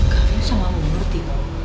gafin sama murti